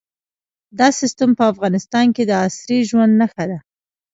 دا سیستم په افغانستان کې د عصري ژوند نښه ده.